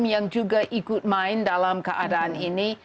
yang juga ikut main dalam keadaan ini